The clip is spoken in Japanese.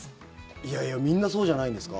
いやいやみんなそうじゃないんですか？